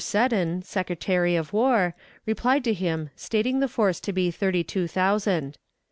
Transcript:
Seddon, Secretary of War, replied to him stating the force to be thirty two thousand.